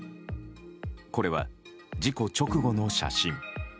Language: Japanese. これは事故直後の写真。